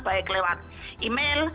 baik lewat email